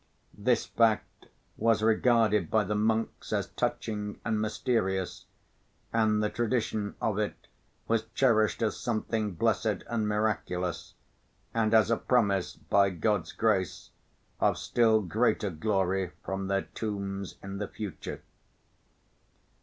This fact was regarded by the monks as touching and mysterious, and the tradition of it was cherished as something blessed and miraculous, and as a promise, by God's grace, of still greater glory from their tombs in the future.